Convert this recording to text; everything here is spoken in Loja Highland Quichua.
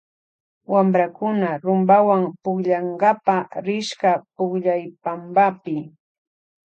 Wamprakuna rumpawan pukllnakapa rishka pukllaypampapi.